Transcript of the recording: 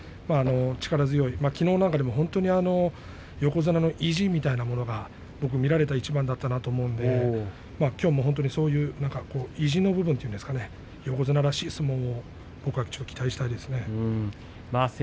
力強い、きのうなんかもすごい横綱の意地みたいなものが見られた一番だったなと思うのできょうも意地の部分というんですかね、横綱らしい相撲を僕はちょっと期待したいですね。